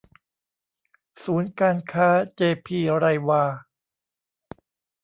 ศูนย์การค้าเจ.พี.ไรวา